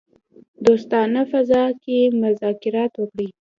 دوستانه فضا کې مذاکرات وکړي.